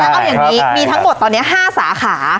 ใช่ใช่มีทั้งหมดตอนเนี้ยห้าสาขา